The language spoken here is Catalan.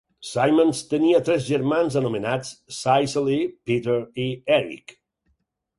Simonds tenia tres germans anomenats Cicely, Peter i Eric.